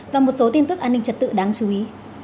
và một số tin tức an ninh trật tự đáng chú ý